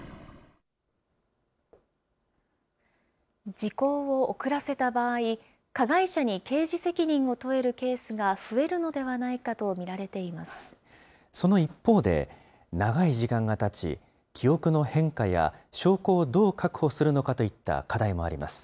時効を遅らせた場合、加害者に刑事責任を問えるケースが増えるのではないかと見られてその一方で、長い時間がたち、記憶の変化や証拠をどう確保するのかといった課題もあります。